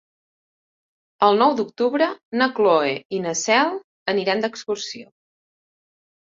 El nou d'octubre na Cloè i na Cel aniran d'excursió.